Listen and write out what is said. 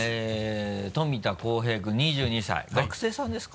富田浩平君２２歳学生さんですか？